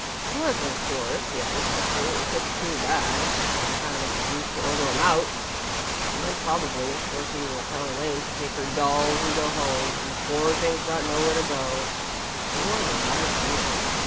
"Unless, of course," he added, mentally, "it gets too bad, and I have an excuse to order 'em out. And then, probably, Dorothy will tell Elaine to take her dolls and go home, and the poor thing's got nowhere to go nowhere in the wide world.